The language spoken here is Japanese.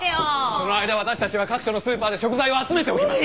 その間私たちは各所のスーパーで食材を集めておきます。